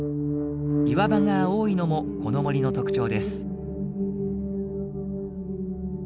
岩場が多いのもこの森の特徴です。